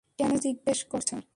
কেন জিজ্ঞেস করছো?